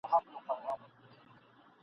انګرېزانو ته پناه مه ورکوه.